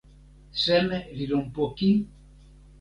seme li lon poki?